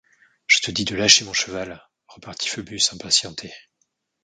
Je te dis de lâcher mon cheval, repartit Phœbus impatienté.